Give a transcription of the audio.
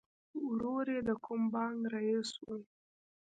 ورور یې د کوم بانک رئیس و